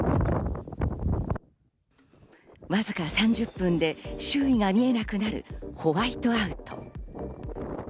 わずか３０分で周囲が見えなくなるホワイトアウト。